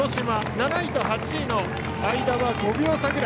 ７位と８位の間は５秒差くらい。